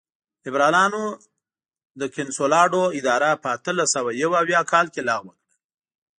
لېبرالانو د کنسولاډو اداره په اتلس سوه یو اویا کال کې لغوه کړه.